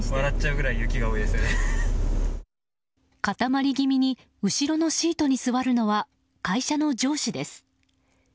固まり気味に後ろのシートに座るのは会社の上司です。